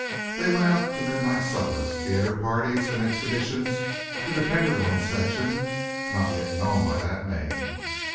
They went out to midnight suppers, theatre parties, and expeditions to the tenderloin section (not yet known by that name).